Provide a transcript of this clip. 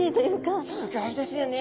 すギョいですよね。